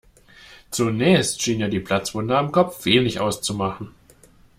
Zunächst schien ihr die Platzwunde am Kopf wenig auszumachen.